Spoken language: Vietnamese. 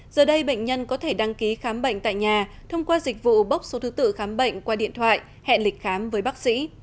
giờ đây bệnh nhân có thể đăng ký khám bệnh tại nhà thông qua dịch vụ bốc số thứ tự khám bệnh qua điện thoại hẹn lịch khám với bác sĩ